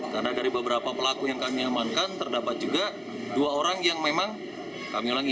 karena dari beberapa pelaku yang kami amankan terdapat juga dua orang yang memang kami ulangi